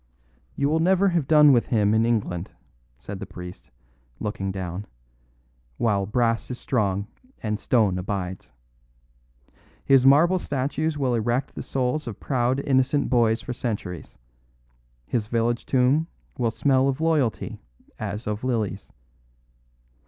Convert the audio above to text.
"You will never have done with him in England," said the priest, looking down, "while brass is strong and stone abides. His marble statues will erect the souls of proud, innocent boys for centuries, his village tomb will smell of loyalty as of lilies.